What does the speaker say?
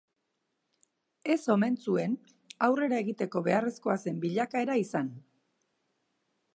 Ez omen zuen aurrera egiteko beharrezkoa zen bilakaera izan.